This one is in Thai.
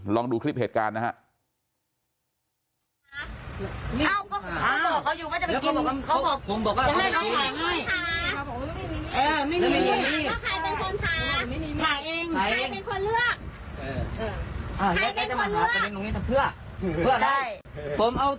ลองดูคลิปเหตุการณ์นะครับ